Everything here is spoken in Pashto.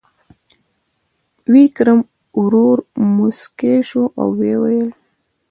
ویکرم ورو موسک شو او وویل: